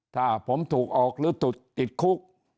ถ้าผมถูกออกหรือติดคุก